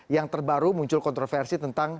yang terbaru muncul kontroversi tentang